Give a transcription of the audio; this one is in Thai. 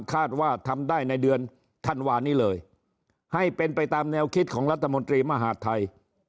คาดว่าทำได้ในเดือนธันวานี้เลยให้เป็นไปตามแนวคิดของรัฐมนตรีมหาดไทย